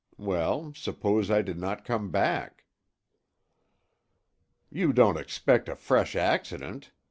Well, suppose I did not come back?" "You don't expect a fresh accident!